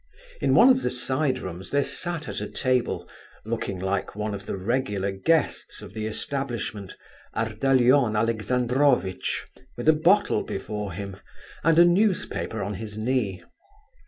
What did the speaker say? In one of the side rooms there sat at a table—looking like one of the regular guests of the establishment—Ardalion Alexandrovitch, with a bottle before him, and a newspaper on his knee.